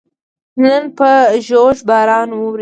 نن په ژوژ باران ووري